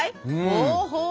ほうほう。